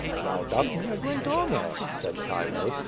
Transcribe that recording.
'^ "Thou dost me a great honor/^ said Chilo.